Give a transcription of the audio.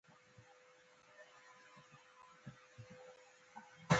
د افغانستان د اقتصادي پرمختګ لپاره پکار ده چې لایسنس واخلو.